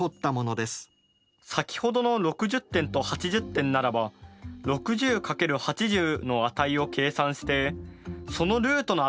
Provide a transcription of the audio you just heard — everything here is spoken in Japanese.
先ほどの６０点と８０点ならば６０×８０の値を計算してそのルートの値を求めればいいんですね。